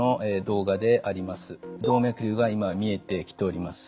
動脈瘤が今見えてきております。